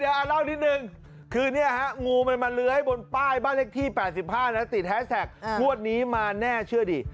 เดี๋ยวเล่านิดนึงคือเนี่ยฮะงูมันมาเลื้อยบนป้ายบ้านเลขที่๘๕นะติดแฮสแท็กงวดนี้มาแน่เชื่อดี